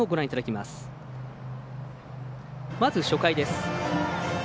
まず初回です。